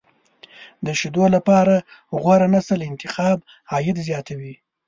د شیدو لپاره غوره نسل انتخاب، عاید زیاتوي.